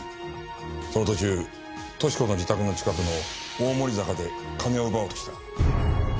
その途中敏子の自宅の近くの大森坂で金を奪おうとした。